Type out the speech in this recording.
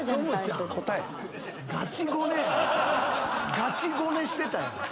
ガチゴネしてたやん。